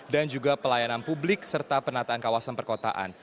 dan juga pelayanan publik serta penataan kawasan perkotaan